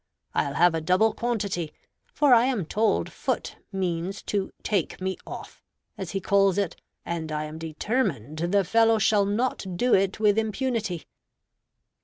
I'll have a double quantity; for I am told Foote means to take me off, as he calls it, and I am determined the fellow shall not do it with impunity."